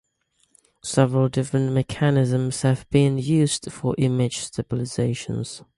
Several different mechanisms have been used for image stabilization.